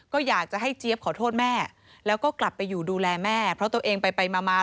ก็อยากจะให้เจี๊ยบขอโทษแม่แล้วก็กลับไปอยู่ดูแลแม่เพราะตัวเองไปไปมามา